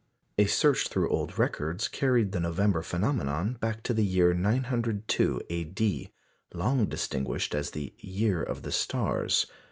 A search through old records carried the November phenomenon back to the year 902 A.D., long distinguished as "the year of the stars."